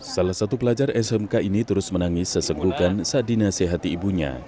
salah satu pelajar smk ini terus menangis sesegukan saat dinasehati ibunya